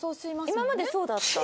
今までそうだった。